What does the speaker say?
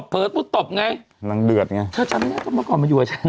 เปิดมุดตบไงนางเดือดไงเธอจำได้มั้ยตอนมาอยู่กับฉัน